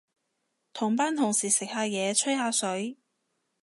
同班同事食下嘢，吹下水